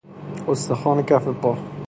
استخوان کف پا